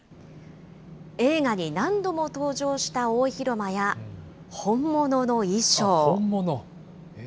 映画に何度も登場した大広間や、本物？